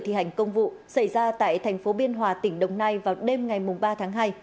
thì hành công vụ xảy ra tại tp biên hòa tỉnh đồng nai vào đêm ngày ba tháng hai